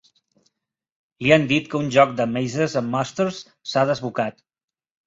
Li han dit que un joc de "Mazes and Mosters" s'ha desbocat.